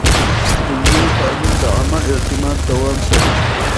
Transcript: د نجونو تعليم د عامه اعتماد دوام ساتي.